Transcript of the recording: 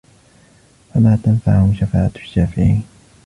فَمَا تَنفَعُهُمْ شَفَاعَةُ الشَّافِعِينَ